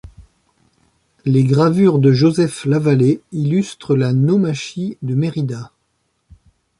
Les gravures de Joseph Lavalée illustrent la naumachie de Mérida.